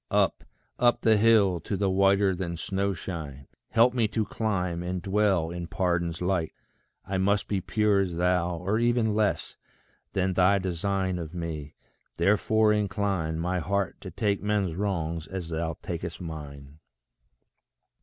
Up, up the hill, to the whiter than snow shine, Help me to climb, and dwell in pardon's light. I must be pure as thou, or ever less Than thy design of me therefore incline My heart to take men's wrongs as thou tak'st mine.